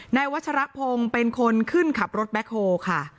วัชรพงศ์เป็นคนขึ้นขับรถแบ็คโฮค่ะ